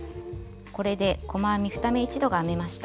これで細編み２目一度が編めました。